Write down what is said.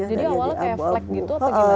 jadi awalnya kayak flek gitu atau gimana